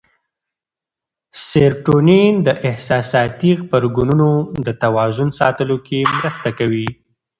سېرټونین د احساساتي غبرګونونو د توازن ساتلو کې مرسته کوي.